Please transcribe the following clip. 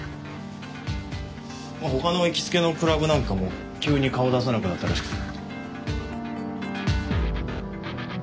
他の行きつけのクラブなんかも急に顔を出さなくなったらしくて。